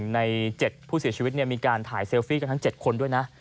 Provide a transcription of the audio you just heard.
ใน๗ผู้เสียชีวิตมีการถ่ายเซลฟี่กันทั้ง๗คนด้วยนะ